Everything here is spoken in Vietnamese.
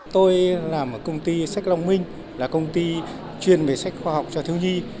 tôi làm ở công ty sách long minh là công ty chuyên về sách khoa học cho thiếu nhi